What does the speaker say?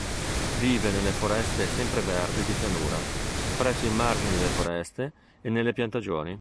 Vive nelle foreste sempreverdi di pianura, presso i margini delle foreste e nelle piantagioni.